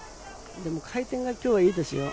でも回転が今日はいいですよ。